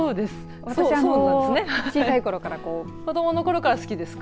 私小さいころから子どもの頃から好きですか。